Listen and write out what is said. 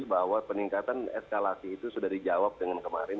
bahwa peningkatan eskalasi itu sudah dijawab dengan kemarin